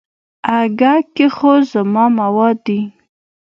اگه کې خو زما مواد دي.